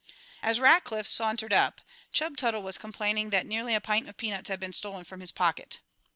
As Rackliff sauntered up Chub Tuttle was complaining that nearly a pint of peanuts had been stolen from his pocket.